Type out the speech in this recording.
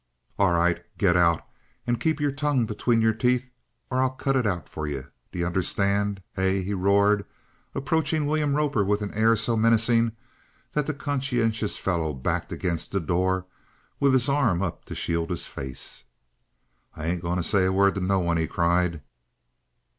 "All right. Get out! And keep your tongue between your teeth, or I'll cut it out for you! Do you understand? Hey?" he roared, approaching William Roper with an air so menacing that the conscientious fellow backed against the door with his arm up to shield his face. "I ain't a going to say a word to no one!" he cried.